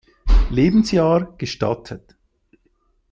Lebensjahr gestattet.